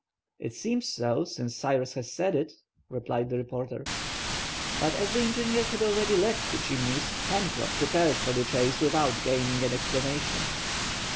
"It seems so, since Cyrus has said it," replied the reporter. But as the engineer had already left the Chimneys, Pencroff prepared for the chase without gaining an explanation.